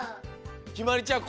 ひまりちゃん